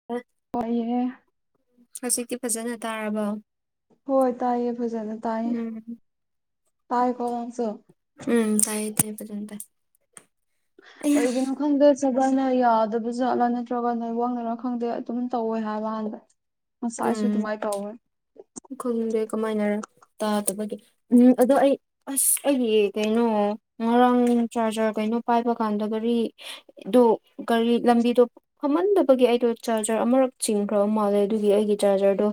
[unintelligible] ꯑꯣꯏꯌꯦ ꯍꯧꯖꯤꯛꯇꯤ ꯐꯖꯅ ꯇꯥꯔꯕꯣ ꯍꯣꯏ ꯇꯥꯏꯌꯦ ꯐꯖꯅ ꯇꯥꯏꯌꯦ ꯎꯝ ꯇꯥꯏꯀꯣ ꯅꯪꯁꯨ ꯎꯝ ꯇꯥꯏꯌꯦ ꯇꯥꯏꯌꯦ ꯐꯖꯅ ꯇꯥꯏ ꯑꯩꯌꯥ ꯑꯩꯒꯤꯅꯣ ꯈꯪꯗꯦ ꯁꯕꯔꯅ ꯌꯥꯗꯕ ꯖꯠꯂꯥ ꯅꯠꯇ꯭ꯔꯒ ꯅꯦꯠꯋꯥꯛ ꯅꯔꯥ ꯈꯪꯗꯦ ꯑꯗꯨꯝ ꯇꯧꯋꯦ ꯍꯥꯏꯕ ꯍꯥꯟꯗ [inaudible] ꯉꯁꯥꯏꯁꯨ ꯗꯨꯃꯥꯏꯟ ꯇꯩꯋꯦ ꯈꯨꯡꯗꯦ ꯀꯃꯥꯏꯅꯔ ꯇꯥꯗꯕꯒꯤ ꯎꯝ ꯑꯗꯣ ꯑꯩ ꯑꯁ ꯑꯩꯒꯤ ꯀꯩꯅꯣ ꯉꯔꯥꯡ ꯆꯥꯔꯖꯔ ꯀꯩꯅꯣ ꯄꯥꯏꯕ ꯀꯥꯟꯗ ꯃꯔꯤ ꯑꯗꯨ ꯀꯥꯔꯤ ꯂꯝꯕꯤꯗꯣ ꯐꯝꯍꯟꯗꯕꯒꯤ ꯑꯩꯗꯣ ꯆꯥꯔꯖꯔ ꯑꯃꯔꯛ ꯆꯤꯡꯈ꯭ꯔꯕ ꯃꯥꯜꯂꯦ ꯑꯗꯨꯒꯤ ꯑꯩꯒꯤ ꯆꯥꯔꯖꯔꯗꯣ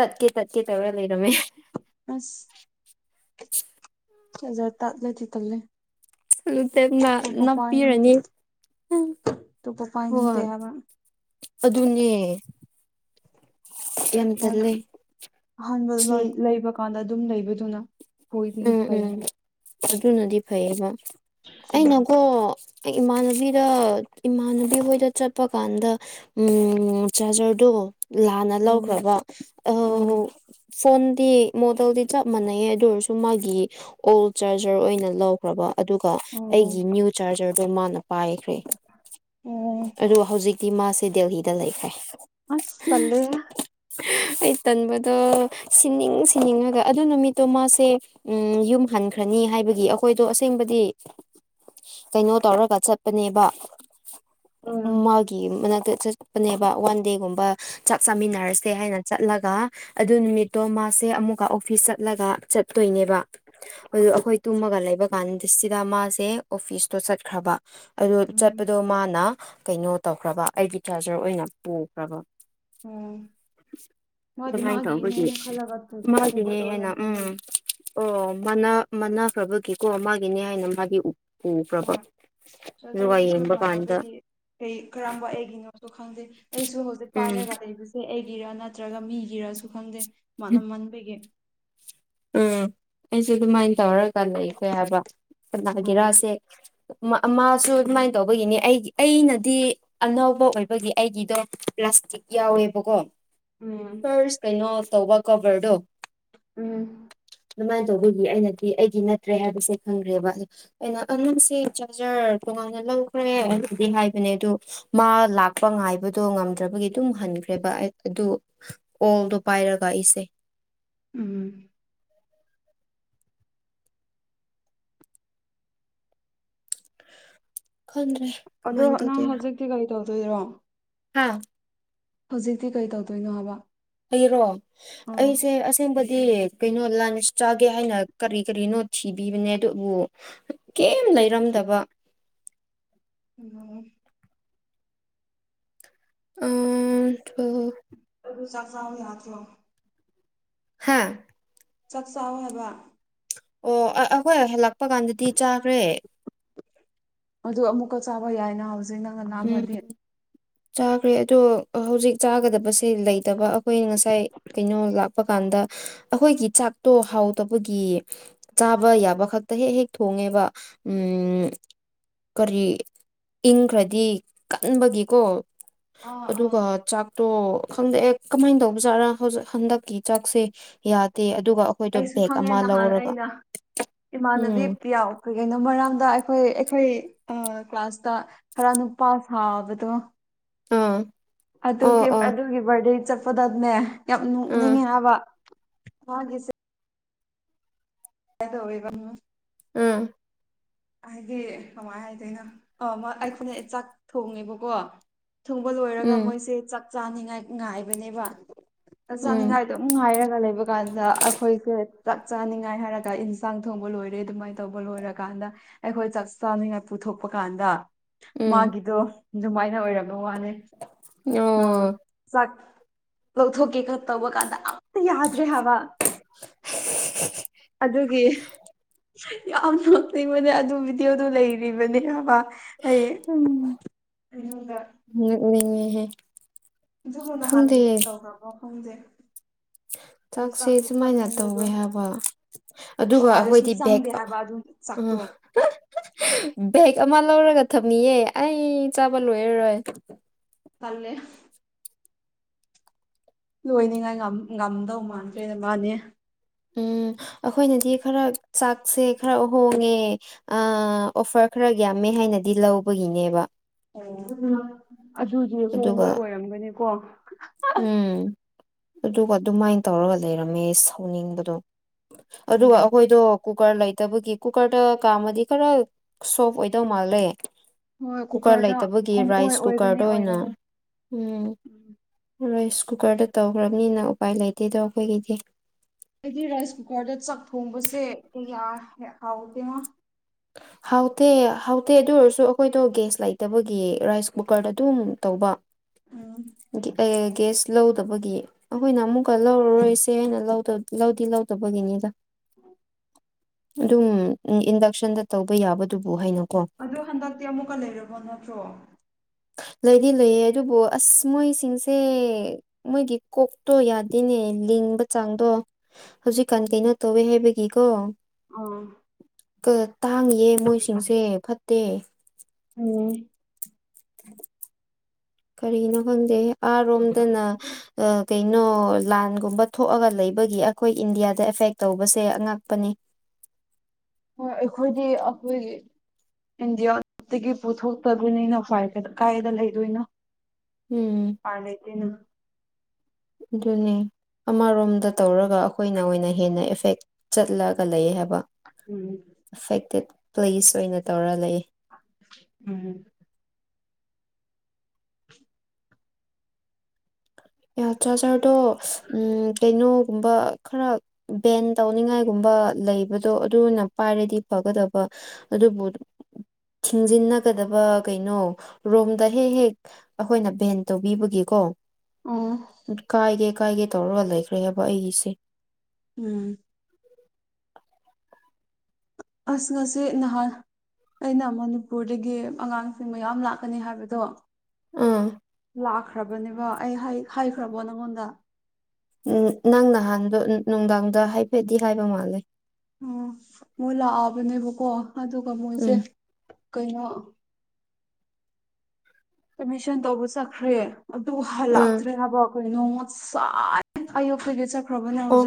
ꯇꯠꯀꯦ ꯇꯠꯀꯦ ꯇꯧꯔ ꯂꯩ ꯔꯃꯦ ꯑꯁ ꯐꯖ ꯇꯥꯠꯂꯗꯤ ꯇꯂꯦ ꯑꯗꯨ ꯇꯦꯝꯅ ꯄꯥꯏꯅꯤꯡꯗꯦ ꯅꯞꯄꯤꯔꯅꯤ ꯑꯇꯣꯞꯄ ꯄꯥꯏꯅꯤꯡꯗꯦ ꯍꯣꯏ ꯍꯥꯏꯕ ꯑꯗꯨꯅꯦ ꯌꯥꯝ ꯇꯜꯂꯦ ꯑꯍꯥꯟꯕ ꯂꯩꯕ ꯀꯥꯟꯗ ꯑꯗꯨꯝ ꯂꯩꯕꯗꯨꯅ ꯈꯣꯏꯗꯒꯤ ꯎꯝ ꯐꯩ ꯎꯝ ꯑꯗꯨꯅꯗꯤ ꯐꯩꯌꯦꯕ ꯎꯝ ꯑꯩꯅꯀꯣ ꯏꯃꯥꯟꯅꯕꯤꯗ ꯏꯃꯥꯟꯅꯕꯤ ꯍꯣꯏꯗ ꯆꯠꯄ ꯀꯥꯟꯗ ꯎꯝ ꯆꯥꯔꯖꯔꯗꯣ ꯂꯥꯟꯅ ꯎꯝ ꯂꯧꯈ꯭ꯔꯕ ꯎꯝ ꯑꯧ ꯐꯣꯟꯗꯤ ꯃꯣꯗꯦꯜꯗꯤ ꯆꯞ ꯃꯥꯟꯅꯩ ꯑꯗꯨ ꯑꯣꯏꯔꯁꯨ ꯃꯥꯒꯤ ꯑꯣꯜ ꯆꯥꯔꯖꯔ ꯑꯣꯏꯅ ꯂꯧ ꯈꯔꯥꯕ ꯑꯗꯨꯒ ꯑꯣ ꯑꯩꯒꯤ ꯅ꯭ꯌꯨ ꯆꯥꯔꯖꯔꯗꯣ ꯃꯥꯅ ꯄꯥꯏꯈ꯭ꯔꯦ ꯑꯣ ꯑꯗꯣ ꯍꯧꯖꯤꯛꯇꯤ ꯃꯥꯁꯦ ꯗꯦꯜꯍꯤꯗ ꯂꯩꯈ꯭ꯔꯦ ꯑꯁ ꯇꯂꯦꯍꯦ ꯑꯩ ꯇꯟꯕꯗꯣ ꯁꯤꯅꯤꯡ ꯁꯤꯅꯤꯡꯉꯒ ꯑꯗꯨ ꯅꯨꯃꯤꯠꯇꯣ ꯃꯥꯁꯦ ꯎꯝ ꯌꯨꯝ ꯍꯟꯈ꯭ꯔꯅꯤ ꯍꯥꯏꯕꯒꯤ ꯑꯩꯈꯣꯏꯗꯣ ꯑꯁꯦꯡꯕꯗꯤ ꯀꯩꯅꯣ ꯇꯧꯔꯒ ꯆꯠꯄꯅꯦꯕ ꯎꯝ ꯃꯥꯒꯤ ꯃꯅꯥꯛꯇ ꯆ ꯆꯠꯄꯅꯦꯕ ꯋꯥꯟ ꯗꯦꯒꯨꯝꯕ ꯆꯥꯛ ꯆꯥꯃꯤꯟꯅꯔꯁꯦ ꯍꯥꯏꯅ ꯆꯠꯂꯒ ꯑꯗꯨ ꯅꯨꯃꯤꯠꯇꯣ ꯃꯥꯁꯦ ꯑꯃꯨꯛꯀ ꯑꯣꯐꯤꯁ ꯆꯠꯂꯒ ꯆꯠꯇꯣꯏꯅꯦꯕ ꯑꯗꯨ ꯑꯩꯈꯣꯏ ꯎꯝ ꯇꯨꯝꯃꯒ ꯂꯩꯕ ꯀꯥꯟꯗ ꯁꯤꯗ ꯃꯥꯁꯦ ꯑꯣꯐꯤꯁꯇꯣ ꯆꯠꯈ꯭ꯔꯕ ꯑꯗꯨ ꯆꯠꯄꯗꯣ ꯃꯥꯅ ꯀꯩꯅꯣ ꯇꯧꯈ꯭ꯔꯕ ꯑꯩꯒꯤ ꯆꯥꯔꯖꯔ ꯑꯣꯏꯅ ꯄꯨꯈ꯭ꯔꯕ ꯎꯝ ꯃꯥꯗꯤ ꯑꯗꯨꯃꯥꯏꯅ ꯇꯧꯕꯗꯤ ꯃꯥꯒꯤꯅꯦꯅ ꯈꯜꯂꯒ ꯄꯨꯕꯩ ꯃꯥꯒꯤꯅꯦꯅ ꯍꯥꯏꯅ ꯎꯝ ꯑꯣꯏꯔꯝꯒꯅꯤ ꯑꯣ ꯃꯅꯥ ꯃꯅꯥ ꯈ꯭ꯔꯕꯒꯤꯀꯣ ꯃꯥꯒꯤꯅꯦ ꯍꯥꯏꯅ ꯃꯥꯗꯤ ꯄꯨꯈ꯭ꯔꯕ ꯍꯣꯏ ꯑꯗꯨꯒ ꯆꯥꯔꯖꯔꯁꯤꯁꯨ ꯋꯦꯡꯕ ꯀꯥꯟꯗ ꯃꯥꯟꯅꯕꯒꯤ ꯀꯩ ꯀꯔꯝꯕ ꯑꯩꯒꯤꯅꯣꯁꯨ ꯈꯪꯗꯩ ꯑꯩꯁꯨ ꯍꯧꯖꯤꯛ ꯎꯝ ꯄꯥꯏꯔꯒ ꯂꯩꯕꯁꯦ ꯁꯦ ꯑꯩꯒꯤꯔ ꯅꯠꯇ꯭ꯔꯒ ꯃꯤꯒꯤꯔꯁꯨ ꯈꯪꯗꯦ ꯃꯥꯅ ꯃꯟꯕꯒꯤ ꯎꯝ ꯑꯩꯁꯦ ꯑꯗꯨꯃꯥꯏꯅ ꯇꯧꯔꯒꯥꯟ ꯂꯩꯈꯔꯦ ꯍꯥꯏꯕ ꯎꯝ ꯀꯅꯥꯒꯤꯔꯥꯁꯦ ꯃꯥꯁꯨ ꯑꯗꯨꯃꯥꯏꯅ ꯇꯧꯕꯒꯤꯅꯦ ꯑꯩꯒꯤ ꯑꯩꯅꯗꯤ ꯑꯅꯧꯕ ꯑꯣꯏꯕꯒꯤ ꯑꯩꯒꯤꯗꯣ ꯄ꯭ꯂꯥꯁꯇꯤꯛ ꯌꯥꯎꯋꯦꯕꯀꯣ ꯎꯝ ꯐꯥ꯭ꯔꯁ ꯀꯩꯅꯣ ꯇꯧꯕ ꯀꯣꯕꯔꯗꯣ ꯎꯝ ꯑꯗꯨꯃꯥꯏꯟ ꯇꯧꯕꯒꯤ ꯑꯩꯅꯗꯤ ꯑꯩꯗꯤ ꯅꯠꯇ꯭ꯔꯦ ꯍꯥꯏꯕꯁꯦ ꯈꯪꯈ꯭ꯔꯦꯕ ꯑꯩꯅ ꯑꯅꯨꯡꯁꯤ ꯆꯥꯔꯖꯔ ꯇꯣꯉꯥꯟꯅ ꯂꯧꯈ꯭ꯔꯦ ꯑꯗꯨꯗꯨꯒꯤ ꯍꯥꯏꯕꯅꯦ ꯑꯩꯗꯨ ꯃꯥ ꯂꯥꯛꯄ ꯉꯥꯏꯕꯗꯣ ꯉꯝꯗ꯭ꯔꯕꯒꯤ ꯑꯗꯨꯝ ꯍꯟꯈ꯭ꯔꯦꯕ ꯑꯗꯨ ꯀꯣꯜꯗꯣ ꯄꯥꯏꯔꯒ ꯑꯩꯁꯦ ꯎꯝ ꯈꯟꯗ꯭ꯔꯦ ꯑꯗꯣ ꯀꯃꯥꯏꯅ ꯅꯪ ꯇꯧꯗꯣꯏꯔꯥ ꯍꯧꯖꯤꯛꯇꯤ ꯀꯔꯤ ꯇꯧꯗꯣꯏꯔꯣ ꯍꯥ ꯍꯧꯖꯤꯛꯇꯤ ꯀꯩ ꯇꯧꯗꯣꯏꯅꯣ ꯍꯥꯏꯕ ꯑꯩꯔꯣ ꯑꯥ ꯑꯩꯁꯦ ꯑꯁꯦꯡꯕꯗꯤ ꯗꯤ ꯀꯩꯅꯣ ꯂꯟꯁ ꯆꯥꯒꯦ ꯍꯥꯏꯅ ꯀꯔꯤ ꯀꯔꯤꯅꯣ ꯊꯤꯕꯤꯕꯅꯦ ꯑꯗꯨꯕꯨ ꯀꯦꯝ ꯂꯩꯔꯝꯗꯕ ꯎꯝ ꯑꯝ ꯊꯣ ꯑꯗꯨ ꯆꯥꯛ ꯆꯥꯕ ꯌꯥꯗ꯭ꯔꯣ ꯍꯥꯥ ꯆꯥꯛ ꯆꯥꯎ ꯍꯥꯏꯕ ꯑꯣ ꯑꯥ ꯑꯩꯈꯣꯏ ꯍꯦꯜꯂꯛꯄ ꯀꯥꯟꯗꯗꯤ ꯆꯥꯈ꯭ꯔꯦ ꯑꯗꯨ ꯑꯃꯨꯛꯀ ꯆꯥꯕ ꯌꯥꯏꯅ ꯍꯧꯖꯤꯛ ꯅꯪꯅ ꯎꯝ ꯂꯥꯝꯃꯗꯤ ꯆꯥꯈ꯭ꯔꯦ ꯑꯗꯨ ꯍꯧꯖꯤꯛ ꯆꯥꯒꯗꯕꯁꯦ ꯂꯩꯇꯕ ꯑꯈꯣꯏ ꯉꯁꯥꯏ ꯀꯩꯅꯣ ꯂꯥꯛꯄ ꯀꯥꯟꯗ ꯑꯈꯣꯏꯒꯤ ꯆꯥꯛꯇꯣ ꯍꯥꯎꯇꯕꯒꯤ ꯆꯥꯕ ꯌꯥꯕ ꯈꯛꯇ ꯍꯦꯛ ꯍꯦꯛ ꯊꯣꯡꯉꯦꯕ ꯎꯝ ꯀꯔꯤ ꯏꯪꯈ꯭ꯔꯗꯤ ꯀꯟꯕꯒꯤꯀꯣ ꯑꯥ ꯑꯥ ꯑꯗꯨꯒ ꯆꯥꯛ ꯇꯣ ꯈꯪꯗꯧ ꯑꯩ ꯀꯃꯥꯏꯟ ꯇꯧꯕꯖꯥꯠꯔ ꯍꯧꯖꯤ ꯍꯟꯗꯛꯀꯤ ꯆꯥꯛꯁꯦ ꯌꯥꯗꯦ ꯑꯗꯨꯒ ꯑꯩꯈꯣꯏꯗꯣ ꯑꯩꯁꯨ ꯕꯦꯛ ꯈꯪꯉꯦ ꯑꯃ ꯅꯍꯥꯟ ꯂꯧꯔꯒ ꯑꯩꯅ ꯎꯝ ꯀꯩ ꯀꯅꯣ ꯃꯔꯝꯗ ꯑꯩꯈꯣꯏ ꯑꯩꯈꯣꯏ ꯀ꯭ꯂꯥꯁꯇ ꯈꯔ ꯅꯨꯄꯥ ꯁꯥꯕꯗꯣ ꯑꯥ ꯑꯣ ꯑꯗꯨꯒꯤ ꯑꯣ ꯑꯗꯨꯒꯤ ꯕꯥꯔꯗꯦ ꯆꯠꯄꯗꯅꯦ ꯌꯥꯝ ꯑꯥ ꯅꯣꯛꯅꯤꯡꯉꯤ ꯍꯥꯏꯕ ꯋꯥꯒꯤ ꯆꯠ [unintelligible] ꯑꯝ ꯍꯥꯏꯗꯤ ꯀꯃꯥꯏ ꯍꯥꯏꯗꯣꯏꯅꯣ ꯑꯧ ꯑꯃ ꯑꯩꯈꯣꯏꯅ ꯆꯥꯛ ꯊꯣꯡꯉꯦꯕꯀꯣ ꯊꯣꯡꯕ ꯂꯣꯏꯔꯒ ꯎꯝ ꯃꯣꯏꯁꯦ ꯆꯥꯛ ꯆꯥꯅꯤꯡꯉꯥꯏ ꯉꯥꯏꯕꯅꯦꯕ ꯆꯥꯛ ꯎꯝ ꯆꯥꯅꯤꯡꯉꯥꯏꯗꯣ ꯅꯨꯡꯉꯥꯏꯔꯒ ꯂꯩꯕ ꯀꯥꯟꯗ ꯑꯩꯈꯣꯏꯁꯦ ꯆꯥꯛ ꯆꯥꯅꯤꯉꯥꯏ ꯍꯥꯏꯔꯒ ꯏꯟꯁꯥꯡ ꯊꯣꯡꯕ ꯂꯣꯏꯔꯦ ꯑꯗꯨꯃꯥꯏꯅ ꯇꯧꯕ ꯂꯣꯢꯔꯀꯥꯟꯗ ꯑꯩꯈꯣꯏ ꯆꯥꯛ ꯆꯥꯅꯤꯉꯥꯏ ꯄꯨꯊꯣꯛꯄ ꯀꯥꯟꯗ ꯎꯝ ꯃꯥꯒꯤꯗꯣ ꯑꯗꯨꯃꯥꯏꯅ ꯑꯣꯏꯔꯝ ꯕꯥ ꯋꯥꯅꯦ ꯑꯥ ꯑꯣ ꯆꯛ ꯂꯎꯊꯣꯀꯦ ꯇꯧꯕꯀꯥꯟꯗ ꯑꯠꯇ ꯌꯥꯗ꯭ꯔꯦ ꯍꯥꯏꯕ [inaudible] ꯑꯗꯨꯒꯤ ꯌꯥꯝ ꯅꯣꯛꯅꯤꯡꯕꯅꯦ ꯑꯗꯨ ꯚꯤꯗꯤꯑꯣꯗꯨ ꯂꯩꯔꯤꯕꯅꯦ ꯍꯥꯢꯔꯕꯥ ꯑꯩ ꯑꯩꯉꯣꯟꯗ ꯅꯣꯛꯅꯤꯡꯉꯤꯍꯦ ꯑꯗꯨꯒ ꯅꯍꯥꯟ ꯗꯤꯂꯦꯠ ꯇꯧꯈ꯭ꯔꯕ ꯈꯪꯗꯦ ꯑꯗꯨ ꯆꯥꯛꯁꯦ ꯆꯥꯛꯇꯨ ꯁꯨꯃꯥꯏꯅ ꯀꯟꯃꯟꯕꯗꯣ ꯇꯧꯋꯦ ꯍꯥꯏꯕ ꯑꯗꯨꯒ ꯊꯥꯔꯁꯨ ꯑꯩꯈꯣꯏꯗꯤ ꯆꯪꯗꯦ ꯕꯦꯒ ꯍꯥꯏꯕ ꯑꯗꯨ ꯆꯥꯛꯇꯣ ꯑꯥ ꯕꯦꯛ ꯑꯃ ꯂꯧꯔꯒ ꯊꯝꯃꯤꯌꯦ ꯑꯩ ꯆꯥꯕ ꯂꯣꯏꯔꯔꯣꯏ ꯇꯂꯦ ꯂꯣꯏꯅꯤꯉꯥꯏ ꯉꯝ ꯉꯝꯗꯧ ꯃꯥꯟꯗ꯭ꯔꯦ ꯃꯥꯅꯦ ꯎꯝ ꯑꯈꯣꯏꯅꯗꯤ ꯈꯔ ꯆꯥꯛꯁꯦ ꯈꯔ ꯍꯣꯡꯉꯦ ꯑꯥ ꯑꯣꯐꯔ ꯈꯔ ꯌꯥꯝꯃꯦ ꯍꯥꯏꯅꯗꯤ ꯂꯧꯕꯒꯤꯅꯦꯕ ꯑꯣ ꯑꯗꯨꯗꯨ ꯑꯗꯨꯒ ꯍꯣꯡꯕ ꯑꯣꯏꯔꯝꯒꯅꯤꯀꯣ ꯎꯝ ꯑꯗꯨꯒ ꯑꯗꯨꯃꯥꯏꯟ ꯇꯧꯔꯒ ꯂꯩꯔꯝꯃꯦ ꯁꯧꯅꯤꯡꯕꯗꯣ ꯑꯗꯨꯒ ꯑꯩꯈꯣꯏꯗꯣ ꯀꯨꯀꯔ ꯂꯩꯇꯕꯒꯤ ꯀꯨꯀꯔꯗ ꯀꯥꯝꯃꯗꯤ ꯈꯔ ꯁꯣꯐ ꯑꯣꯏꯗꯧ ꯃꯥꯜꯂꯦ ꯍꯣꯏ ꯀꯨꯀꯔ ꯀꯨꯀꯔꯗ ꯂꯩꯇꯕꯒꯤ ꯑꯣꯏ ꯔꯥꯏꯁ ꯑꯣꯏꯒꯅꯤ ꯀꯨꯀꯔꯗ ꯑꯣꯏꯅ ꯑꯣꯏꯒꯅꯤ ꯎꯝ ꯔꯥꯏꯁ ꯀꯨꯀꯔꯗ ꯇꯧꯈ꯭ꯔꯝꯅꯤꯅ ꯎꯄꯥꯏ ꯂꯩꯇꯦꯗꯣ ꯑꯩꯈꯣꯏꯒꯤꯗꯤ ꯑꯩꯗꯤ ꯔꯥꯏꯁ ꯀꯨꯀꯔꯗ ꯆꯥꯛ ꯊꯣꯡꯕꯁꯦ ꯀꯌꯥ ꯍꯥꯎ ꯍꯥꯎꯇꯦꯉꯣ ꯍꯥꯎꯇꯦ ꯍꯥꯎꯇꯦ ꯑꯗꯨ ꯑꯣꯏꯔꯁꯨ ꯑꯩꯈꯣꯏꯗꯣ ꯒꯦꯁ ꯂꯩꯇꯕꯒꯤ ꯔꯥꯏꯁ ꯀꯨꯀꯔꯗ ꯑꯗꯨꯝ ꯇꯧꯕ ꯎꯝ ꯒꯦ ꯑꯥ ꯒꯦꯁ ꯂꯧꯗꯕꯒꯤ ꯑꯩꯈꯣꯏꯅ ꯑꯃꯨꯛꯀ ꯂꯧꯔꯔꯣꯏꯁꯦꯅ ꯂꯧꯗꯞ ꯂꯧꯗꯤ ꯂꯧꯗꯕꯒꯤꯅꯤꯗ ꯑꯗꯨꯝ ꯎꯝ ꯏꯟꯗꯛꯁꯟꯗ ꯇꯧꯕ ꯌꯥꯕꯗꯨꯕꯨ ꯍꯩꯅꯀꯣ ꯗꯣ ꯍꯟꯗꯛꯇꯤ ꯑꯃꯨꯛꯀ ꯂꯩꯔꯕꯣ ꯅꯠꯇ꯭ꯔꯣ ꯂꯩꯗꯤ ꯂꯩꯌꯦ ꯑꯗꯨꯕꯨ ꯑꯁ ꯃꯣꯏꯁꯤꯡꯁꯦ ꯃꯣꯏꯒꯤ ꯀꯣꯛꯇꯣ ꯌꯥꯗꯦꯅꯦ ꯂꯤꯡꯕ ꯆꯥꯡꯗꯣ ꯍꯧꯖꯤꯛꯀꯥꯟ ꯀꯩꯅꯣ ꯇꯧꯋꯦ ꯍꯥꯏꯕꯒꯤꯀꯣ ꯑꯣ ꯀꯥ ꯇꯥꯡꯉꯤꯌꯦ ꯃꯣꯏꯁꯤꯡꯁꯦ ꯐꯠꯇꯦ ꯎꯝ ꯀꯔꯤꯅꯣ ꯈꯪꯗꯦ ꯑꯥꯔꯣꯝꯗꯅ ꯑꯥ ꯀꯩꯅꯣ ꯂꯥꯟꯒꯨꯝꯕ ꯊꯣꯛꯑꯒ ꯂꯩꯕꯒꯤ ꯑꯩꯈꯣꯏ ꯏꯟꯗꯤꯌꯥꯗ ꯑꯦꯐꯦꯛ ꯇꯧꯕꯁꯦ ꯑꯉꯥꯛꯄꯅꯦ ꯍꯣꯏ ꯑꯩꯈꯣꯏꯗꯤ ꯑꯩꯈꯣꯏꯒꯤ ꯏꯟꯗꯤꯌꯥꯗꯒꯤ ꯄꯨꯊꯣꯛꯇꯕꯅꯤꯅ ꯐꯥꯏ ꯀꯥꯏꯗ ꯂꯩꯗꯣꯏꯅꯣ ꯎꯝ ꯎꯄꯥꯏ ꯂꯩꯇꯦꯅ ꯑꯗꯨꯅꯦ ꯑꯃꯥꯔꯣꯝꯗ ꯇꯧꯔꯒ ꯑꯩꯈꯣꯏꯅ ꯑꯣꯏꯅ ꯍꯦꯟꯅ ꯑꯦꯐꯦꯛ ꯆꯠꯂꯒ ꯂꯩꯌꯦ ꯍꯥꯏꯕ ꯎꯝ ꯑꯐꯦꯛꯇꯦꯠ ꯄ꯭ꯂꯦꯁ ꯑꯣꯏꯅ ꯇꯧꯔ ꯂꯩ ꯎꯝ [inaudible] ꯌꯥ ꯆꯥꯔꯖꯔꯗꯣ ꯎꯝ ꯀꯩꯅꯣꯒꯨꯝꯕ ꯈꯔ ꯕꯦꯟ ꯇꯧꯅꯤꯉꯥꯏꯒꯨꯝꯕ ꯂꯩꯕꯗꯣ ꯑꯗꯨꯅ ꯄꯥꯏꯔꯗꯤ ꯐꯒꯗꯕꯥ ꯑꯗꯨꯕꯨ ꯊꯤꯡꯖꯤꯟꯅꯛ ꯀꯥꯗꯕ ꯀꯩꯅꯣ ꯔꯣꯝꯗ ꯍꯦ ꯍꯦꯛ ꯑꯩꯈꯣꯏꯅ ꯚꯦꯟ ꯇꯧꯕꯤꯕꯒꯤꯀꯣ ꯎꯝ ꯀꯥꯏꯒꯦ ꯀꯥꯏꯒꯦ ꯇꯧꯔꯒ ꯂꯩꯈ꯭ꯔꯦꯕ ꯑꯩꯒꯤꯁꯦ ꯎꯝ ꯑꯁ ꯉꯁꯤ ꯅꯍꯥꯟ ꯑꯩꯅ ꯃꯅꯤꯄꯨꯔꯗꯒꯤ ꯑꯉꯥꯡꯁꯤꯡ ꯃꯌꯥꯝ ꯂꯥꯛꯀꯅꯤ ꯍꯥꯏꯕꯗꯣ ꯑꯥ ꯂꯥꯛꯈ꯭ꯔꯕꯅꯦꯕ ꯑꯩ ꯍꯥꯏ ꯍꯥꯏꯈ꯭ꯔꯕꯣ ꯅꯪꯉꯣꯟꯗ ꯎꯝ ꯅꯪ ꯅꯍꯥꯟꯗꯣ ꯅꯨ ꯅꯨꯡꯗꯥꯡꯗ ꯍꯥꯏꯐꯦꯠꯗꯤ ꯍꯥꯏꯕ ꯃꯥꯜꯂꯦ ꯑꯣ ꯃꯣꯏ ꯂꯥꯛꯑꯕꯅꯦꯕꯀꯣ ꯑꯗꯨꯒ ꯃꯣꯏꯁꯦ ꯎꯝ ꯀꯩꯅꯣ ꯑꯦꯃꯤꯁꯟ ꯇꯧꯕ ꯆꯠꯈ꯭ꯔꯦ ꯑꯗꯨ ꯎꯝ ꯍꯥꯜꯂꯛꯇ꯭ꯔꯦ ꯍꯥꯏꯕꯛ ꯀꯔꯤꯅꯣ ꯉꯁꯥꯥꯏ ꯑꯌꯨꯛꯇꯒꯤ ꯆꯠ ꯑꯣ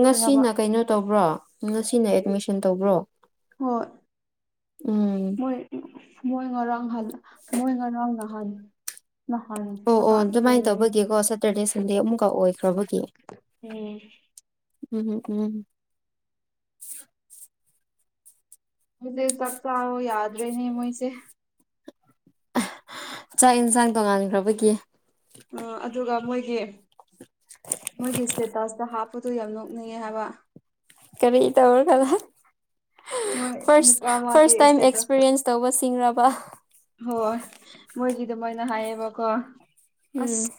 ꯉꯁꯤꯅ ꯀꯩꯅꯣ ꯇꯧꯕ꯭ꯔꯣ ꯉꯁꯤꯅ ꯑꯦꯠꯃꯤꯁꯟ ꯇꯧꯕ꯭ꯔꯣ ꯍꯣꯏ ꯎꯝ ꯃꯣꯏ ꯑꯁ ꯃꯣꯏ ꯉꯔꯥꯡ ꯍꯜ ꯃꯣꯏ ꯉꯔꯥꯡ ꯅꯍꯥꯟ ꯅꯍꯥꯟ ꯑꯣ ꯑꯣ ꯀꯗꯥꯏ ꯑꯗꯨꯃꯥꯏ ꯀꯩꯅꯣ ꯎꯝ ꯇꯧꯕꯒꯤꯀꯣ ꯁꯇꯔꯗꯦ ꯁꯟꯗꯦ ꯑꯃꯨꯛꯀ ꯑꯣꯏꯈ꯭ꯔꯕꯒꯤ ꯎꯝ ꯎꯝ ꯎꯝ ꯃꯣꯏꯖꯦ ꯆꯥꯛ ꯆꯥꯔꯣ ꯌꯥꯗ꯭ꯔꯦꯅꯦ ꯃꯣꯏꯁꯦ [unintelligible] ꯆꯥꯛ ꯌꯦꯟꯁꯥꯡ ꯇꯣꯡꯉꯥꯟꯈ꯭ꯔꯕꯒꯤ ꯎꯝ ꯑꯗꯨꯒ ꯃꯣꯏꯒꯤ ꯃꯣꯏꯒꯤ ꯏꯁꯇꯦꯇꯁꯇ ꯍꯥꯞꯄꯗꯣ ꯌꯥꯝ ꯅꯣꯛꯅꯤꯡꯉꯦ ꯍꯥꯏꯕ ꯀꯔꯤ ꯇꯧꯔꯒ [unintelligible] ꯃꯣꯏ ꯐꯥꯔ꯭ꯁ ꯅꯨꯄꯥ ꯑꯃꯒꯤ ꯐꯔ꯭ꯁ ꯇꯥꯏꯝ ꯏꯁꯇꯦꯇꯁ ꯑꯦꯛꯁꯄꯤꯔꯤꯌꯦꯟꯁ ꯇꯧꯕ ꯁꯤꯡꯔꯕ ꯍꯣꯏ ꯃꯣꯏꯒꯤ ꯑꯗꯨꯃꯥꯏꯅ ꯍꯥꯏꯌꯦꯕꯀꯣ ꯎꯝ ꯑꯁ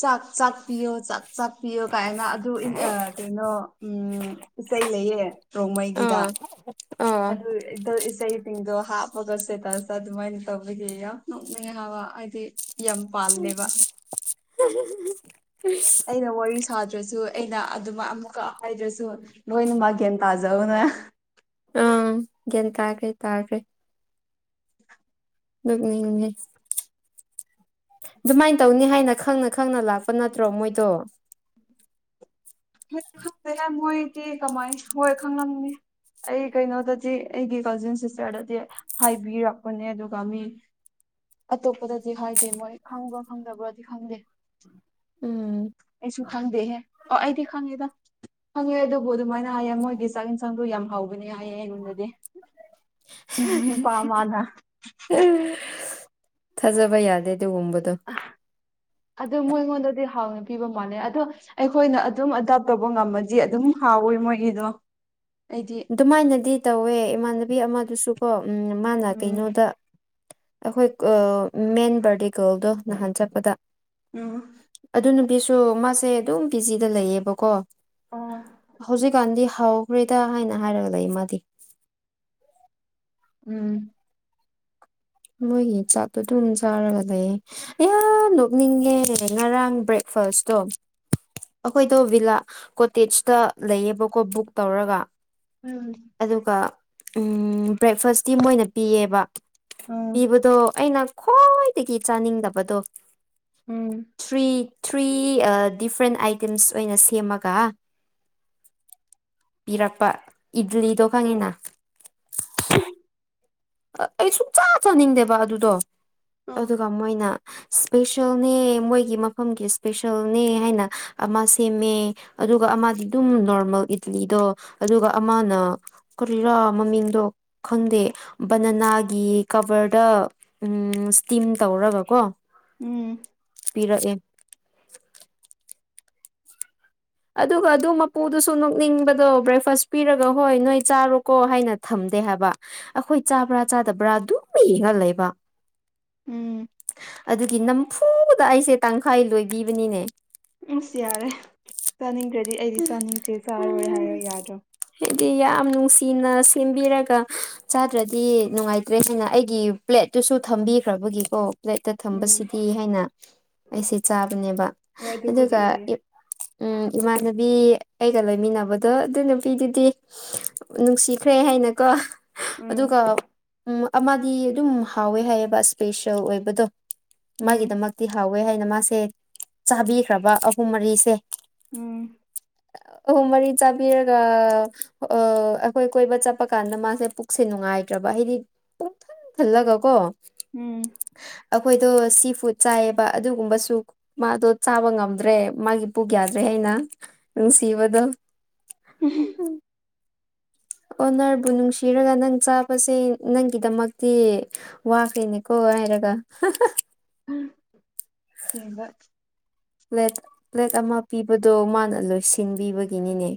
ꯆꯥꯛ ꯆꯥꯛ ꯄꯤꯌꯣ ꯆꯥꯛ ꯆꯥꯛ ꯄꯤꯌꯣ ꯀꯥꯏꯅ ꯑꯗꯨ ꯏꯟ ꯑ ꯀꯩꯅꯣ ꯎꯝ ꯏꯁꯩ ꯂꯩꯌꯦ ꯔꯣꯡꯃꯩꯒꯤꯗ ꯑꯥ ꯑꯥ ꯑꯗꯨ ꯑꯦꯗꯜ ꯏꯁꯩ ꯁꯤꯡꯗꯣ ꯍꯥꯞꯄꯒ ꯁꯇꯦꯇꯁꯇ ꯑꯗꯨꯃꯥꯏꯅ ꯇꯧꯕꯒꯤ ꯌꯥꯝ ꯅꯣꯛꯅꯤꯡꯉꯦ ꯍꯥꯏꯕ ꯑꯩꯗꯤ ꯎꯝ [unintelligible] ꯑꯩꯅ ꯋꯥꯔꯤ ꯁꯥꯗ꯭ꯔꯁꯨ ꯑꯩꯅ ꯑꯗꯨꯝ ꯃꯥ ꯑꯃꯨꯛꯀ ꯍꯥꯏꯗ꯭ꯔꯁꯨ ꯂꯣꯏꯅꯃꯛ ꯒ꯭ꯌꯥꯟ ꯇꯥꯖꯧꯅ ꯑꯥ ꯒ꯭ꯌꯥꯟ ꯇꯥꯈ꯭ꯔꯦ ꯇꯥꯈ꯭ꯔꯦ ꯅꯣꯛꯅꯤꯡꯉꯦ ꯑꯗꯨꯃꯥꯏ ꯇꯧꯅꯤ ꯍꯥꯏꯅ ꯈꯪꯉ ꯈꯪꯅ ꯂꯥꯛꯄ ꯅꯠꯇ꯭ꯔꯣ ꯃꯣꯏꯗꯣ ꯍꯣꯏ ꯈꯪꯗꯦꯍꯦ ꯃꯣꯏꯗꯤ ꯀꯃꯥꯏ ꯁꯣꯏ ꯈꯪꯂꯝꯅꯤ ꯑꯩ ꯀꯩꯅꯣꯗꯗꯤ ꯑꯩꯒꯤ ꯀꯖꯤꯟ ꯁꯤꯁꯇꯔꯗꯗꯤ ꯍꯥꯏꯕꯤꯔꯛꯄꯅꯦ ꯑꯗꯨꯒ ꯃꯤ ꯑꯇꯣꯞꯄꯗꯗꯤ ꯍꯥꯏꯗꯦ ꯃꯣꯏ ꯈꯪꯕ꯭ꯔꯥ ꯈꯪꯗꯕ꯭ꯔꯗꯤ ꯈꯪꯗꯦ ꯎꯝ ꯑꯩꯁꯨ ꯈꯪꯗꯦꯍꯦ ꯑꯣ ꯑꯩꯗꯤ ꯈꯥꯡꯉꯦꯗ ꯈꯪꯉꯦ ꯑꯗꯨꯕꯨ ꯑꯗꯨꯃꯥꯏꯅ ꯍꯥꯏꯌꯦ ꯃꯣꯏꯒꯤ ꯆꯥꯛ ꯑꯦꯟꯁꯥꯡꯗꯣ ꯌꯥꯝ ꯍꯥꯎꯕꯅꯦ ꯍꯥꯏꯌꯦ ꯑꯩꯉꯣꯟꯗꯗꯤ [unintelligible] ꯅꯨꯄꯥ ꯑꯃꯥꯅ ꯊꯥꯖꯕ ꯌꯥꯗꯦ ꯑꯗꯨꯒꯨꯝꯕꯗꯣ ꯑꯗꯣ ꯃꯣꯏꯉꯣꯟꯗꯗꯤ ꯍꯥꯎꯅ ꯄꯤꯕ ꯃꯥꯜꯂꯦ ꯑꯗꯣ ꯑꯩꯈꯣꯏꯅ ꯑꯗꯨꯝ ꯑꯗꯥꯞ ꯇꯧꯕ ꯉꯝꯃꯗꯤ ꯑꯗꯨꯝ ꯍꯥꯎꯋꯦ ꯃꯣꯏꯒꯤꯗꯣ ꯑꯩꯗꯤ ꯑꯗꯨꯃꯥꯏꯅꯗꯤ ꯇꯧꯋꯦ ꯏꯃꯥꯟꯅꯕꯤ ꯑꯃꯗꯨꯁꯨꯀꯣ ꯎꯝ ꯃꯥꯅ ꯎꯝ ꯀꯩꯅꯣꯗ ꯑꯩꯈꯣꯏ ꯑ ꯃꯦꯟ ꯕꯥꯔꯗꯦ ꯒꯔꯜꯗꯣ ꯅꯍꯥꯟ ꯆꯠꯄꯗ ꯑꯣ ꯑꯗꯨ ꯅꯨꯄꯤꯁꯨ ꯃꯥꯁꯦ ꯑꯗꯨꯝ ꯄꯤ ꯖꯤꯗ ꯂꯩꯌꯦꯕꯀꯣ ꯑꯣ ꯍꯧꯖꯤꯛꯀꯥꯟꯗꯤ ꯍꯥꯎꯈ꯭ꯔꯦꯗ ꯍꯥꯏꯅ ꯍꯥꯏꯔꯒ ꯂꯩ ꯃꯥꯗꯤ ꯎꯝ ꯃꯣꯏꯒꯤ ꯆꯥꯛꯇꯨ ꯑꯗꯨꯝ ꯆꯥꯔꯒ ꯂꯩꯌꯦ ꯌꯥꯝ ꯅꯣꯛꯅꯤꯡꯉꯦ ꯉꯔꯥꯡ ꯕ꯭ꯔꯦꯛꯐꯥꯁꯇꯣ ꯑꯈꯣꯏꯗꯣ ꯚꯤꯂꯥ ꯀꯣꯇꯦꯖꯇ ꯂꯩꯌꯦꯕꯀꯣ ꯕꯨꯛ ꯇꯧꯔꯒ ꯎꯝ ꯑꯗꯨꯒ ꯎꯝ ꯕ꯭ꯔꯦꯛꯐꯥꯁꯇꯤ ꯃꯣꯏꯅ ꯄꯤꯌꯦꯕ ꯄꯤꯕꯗꯣ ꯑꯩꯅ ꯈ꯭ꯋꯥꯏꯗꯒꯤ ꯆꯥꯅꯤꯡꯗꯕꯗꯣ ꯎꯝ ꯊ꯭ꯔꯤ ꯊ꯭ꯔꯤ ꯑꯥ ꯗꯤꯐ꯭ꯔꯦꯟ ꯑꯥꯏꯇꯦꯝꯁ ꯑꯣꯏꯅ ꯁꯦꯝꯃꯒ ꯄꯤꯔꯛꯄ ꯏꯗꯂꯤꯗꯣ ꯈꯪꯉꯤꯅ ꯑ ꯑꯩ ꯁꯨꯛꯆꯥ ꯆꯥꯅꯤꯡꯗꯦꯕ ꯑꯗꯨꯗꯣ ꯑꯣ ꯑꯗꯨꯒ ꯃꯣꯏꯅ ꯏꯁꯄꯦꯁꯦꯜꯅꯦ ꯃꯣꯏꯒꯤ ꯃꯐꯝꯒꯤ ꯏꯁꯄꯦꯁꯦꯜꯅꯦ ꯍꯥꯏꯅ ꯑꯃ ꯁꯦꯝꯃꯦ ꯑꯗꯨꯒ ꯑꯃꯗꯤ ꯑꯗꯨꯝ ꯅꯣꯔꯃꯦꯜ ꯏꯗꯂꯤꯗꯣ ꯑꯗꯨꯒ ꯑꯃꯅ ꯀꯔꯤꯔꯥ ꯃꯃꯤꯡꯗꯣ ꯈꯪꯗꯦ ꯕꯅꯅꯥꯒꯤ ꯀꯚ꯭ꯔꯗ ꯎꯝ ꯁ꯭ꯇꯤꯝ ꯇꯧꯔꯒꯀꯣ ꯎꯝ ꯄꯤꯔꯛꯑꯦ ꯑꯗꯨꯒ ꯑꯗꯨ ꯃꯄꯨꯗꯨꯁꯨ ꯅꯣꯛꯅꯤꯡꯕꯗꯣ ꯕ꯭ꯔꯦꯛꯐꯥꯁ ꯄꯤꯔꯒ ꯍꯣꯏ ꯅꯣꯏ ꯆꯥꯔꯣꯀꯣ ꯍꯥꯏꯅ ꯊꯝꯗꯦ ꯍꯥꯏꯕ ꯑꯈꯣꯏ ꯆꯥꯕ꯭ꯔꯥ ꯆꯥꯗꯕ꯭ꯔꯥ ꯑꯗꯨꯝ ꯌꯦꯡꯉ ꯂꯩꯕ ꯎꯝ ꯑꯗꯨꯒꯤ ꯅꯝꯐꯨꯗ ꯑꯩꯁꯦ ꯇꯪꯈꯥꯏ ꯂꯣꯏꯕꯤꯕꯅꯤꯅꯦ ꯑꯁ ꯌꯥꯔꯦ ꯆꯥꯅꯤꯡꯗ꯭ꯔꯗꯤ ꯑꯩꯗꯤ ꯆꯥꯅꯤꯡꯗꯦ ꯆꯥꯔꯣꯏ ꯎꯝ ꯍꯥꯏꯔ ꯌꯥꯗ꯭ꯔꯣ ꯍꯥꯏꯗꯤ ꯌꯥꯝ ꯅꯨꯡꯁꯤꯅ ꯁꯦꯝꯕꯤꯔꯒ ꯆꯥꯗ꯭ꯔꯗꯤ ꯅꯨꯡꯉꯥꯏꯇ꯭ꯔꯦꯗꯅ ꯑꯩꯒꯤ ꯄ꯭ꯂꯦꯠꯇꯨꯁꯨ ꯊꯝꯕꯤꯈ꯭ꯔꯕꯒꯤꯀꯣ ꯄ꯭ꯂꯦꯠꯇ ꯎꯝ ꯊꯝꯕꯁꯤꯗꯤ ꯍꯥꯏꯅ ꯑꯩꯁꯦ ꯆꯥꯕꯅꯦꯕ ꯍꯣꯏ ꯑꯗꯨꯕꯨꯗꯤ ꯑꯗꯨꯒ ꯑꯣꯏꯌꯦ ꯎꯝ ꯏꯃꯥꯅ ꯕꯤ ꯑꯩꯒ ꯂꯩꯃꯤꯟꯅꯕꯗꯣ ꯑꯗꯨ ꯅꯨꯄꯤꯗꯨꯗꯤ ꯅꯨꯡꯁꯤꯈ꯭ꯔꯦ ꯍꯥꯏꯅꯀꯣ ꯎꯝ ꯑꯗꯨꯒ ꯎꯝ ꯑꯃꯗꯤ ꯑꯗꯨꯝ ꯍꯥꯎꯋꯦ ꯍꯥꯏꯌꯦꯕ ꯏꯁꯄꯦꯁꯦꯜ ꯑꯣꯏꯕꯗꯣ ꯎꯝ ꯃꯥꯒꯤꯗꯃꯛꯇꯤ ꯍꯥꯎꯋꯦ ꯍꯥꯏꯅ ꯃꯥꯁꯦ ꯆꯥꯕꯤꯈ꯭ꯔꯕ ꯑꯍꯨꯝ ꯃꯔꯤꯁꯦ ꯎꯝ ꯑꯍꯨꯝ ꯃꯔꯤ ꯆꯥꯕꯤꯔꯒ ꯑꯥ ꯑꯈꯣꯏ ꯀꯣꯏꯕ ꯆꯠꯄ ꯀꯥꯟꯗ ꯃꯥꯁꯦ ꯄꯨꯛ ꯁꯦ ꯅꯨꯡꯉꯥꯏꯇ꯭ꯔꯕ ꯍꯥꯏꯗꯤ ꯄꯨꯡꯊꯟ ꯊꯜꯂꯒ ꯀꯣ ꯎꯝ ꯑꯈꯣꯏꯗꯣ ꯁꯤ ꯐꯨꯗ ꯆꯥꯏꯌꯦꯕ ꯑꯗꯨꯒꯨꯝꯕꯁꯨ ꯃꯥꯗꯣ ꯆꯥꯕ ꯉꯝꯗ꯭ꯔꯦ ꯃꯥꯒꯤ ꯄꯨꯛ ꯌꯥꯗ꯭ꯔꯦ ꯍꯥꯏꯅ ꯅꯨꯡꯁꯤꯕꯗꯣ [unintelligible] ꯑꯣꯅꯔꯕꯨ ꯅꯨꯡꯁꯤꯔꯒ ꯅꯪ ꯆꯥꯕꯁꯦ ꯅꯪꯒꯤꯗꯃꯛꯇꯤ ꯋꯥꯈ꯭ꯔꯦꯅꯦꯀꯣ ꯍꯥꯏꯔꯒ ꯍꯍꯥ [unintelligible] ꯀꯩꯕ ꯄ꯭ꯂꯦꯠ ꯄ꯭ꯂꯦꯠ ꯑꯃ ꯄꯤꯕꯗꯣ ꯃꯥꯅ ꯂꯣꯏꯁꯤꯟꯕꯤꯕꯒꯤꯅꯤꯅꯦ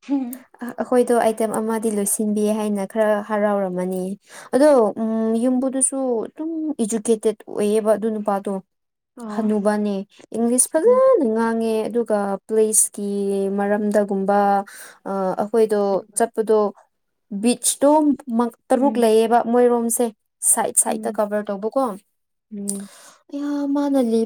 [unintelligible] ꯑꯈꯣꯏꯗꯣ ꯑꯥꯏꯇꯦꯝ ꯑꯃꯗꯤ ꯂꯣꯏꯁꯤꯟꯕꯤ ꯍꯥꯏꯅ ꯈꯔ ꯍꯔꯥꯎꯔꯝꯃꯅꯤ ꯑꯗꯣ ꯎꯝ ꯌꯨꯝꯕꯨꯗꯨꯁꯨ ꯑꯗꯨꯝ ꯏꯖꯨꯀꯦꯇꯦꯠ ꯑꯣꯏꯌꯦꯕ ꯑꯗꯨ ꯅꯨꯄꯥꯗꯣ ꯑꯣ ꯍꯅꯨꯕꯅꯦ ꯏꯪꯂꯤꯁ ꯐꯖꯅ ꯉꯥꯡꯉꯦ ꯑꯗꯨꯒ ꯄ꯭ꯂꯦꯁꯀꯤ ꯃꯔꯝꯗꯥꯒꯨꯝꯕ ꯑꯥ ꯑꯈꯣꯏꯗꯣ ꯆꯠꯄꯗꯣ ꯕꯤꯠꯁꯇꯨꯝ ꯃꯛ ꯇꯔꯨꯛ ꯎꯝ ꯂꯩꯌꯦꯕ ꯃꯣꯏꯔꯣꯝꯁꯦ ꯁꯥꯏꯠ ꯁꯥꯏꯗꯠꯇꯥ ꯎꯝ ꯀꯥꯕꯔ ꯇꯧꯕꯀꯣ ꯑꯩꯌꯥ ꯃꯥꯅ ꯂꯤꯞ